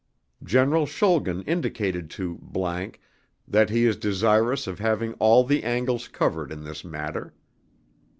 General Schulgen indicated to ____ that he is desirous of having all the angles covered in this matter.